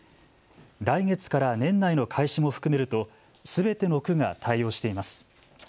来月から年内の開始も含めるとすべての区が対応しています。